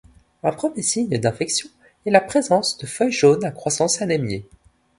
Un premier signe d'infection est la présence de feuilles jaunes à croissance anémiée.